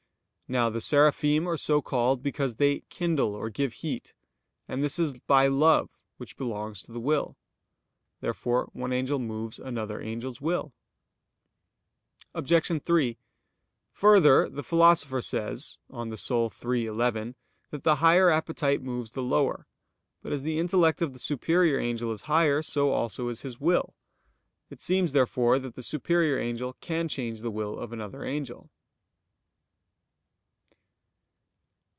Now the Seraphim are so called because they "kindle" or "give heat": and this is by love which belongs to the will. Therefore one angel moves another angel's will. Obj. 3: Further, the Philosopher says (De Anima iii, 11) that the higher appetite moves the lower. But as the intellect of the superior angel is higher, so also is his will. It seems, therefore, that the superior angel can change the will of another angel.